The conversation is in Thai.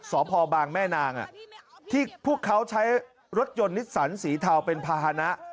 สพบางแม่นางที่พวกเขาใช้รถยนต์นิสสันสีเทาเป็นภาษณะ